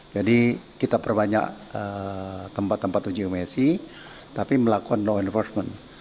jadi kita perbanyak tempat tempat uji emisi tapi melakukan law enforcement